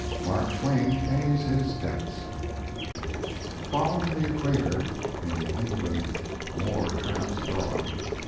CC. MARK TWAIN PAYS HIS DEBTS 'Following the Equator' [In England, More Tramps Abroad.